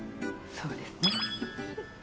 そうですね。